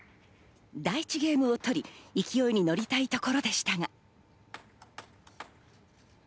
第１ゲームを取り、勢いに乗りたいところでしたが。